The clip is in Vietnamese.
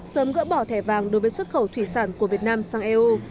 sớm gỡ bỏ thẻ vàng đối với xuất khẩu thủy sản của việt nam sang eu